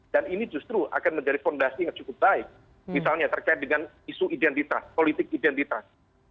dan ini justru akan menjadi fondasi yang cukup baik misalnya terkait dengan isu identitas politik identitas